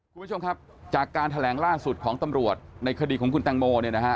คุณผู้ชมครับจากการแถลงล่าสุดของตำรวจในคดีของคุณแตงโมเนี่ยนะฮะ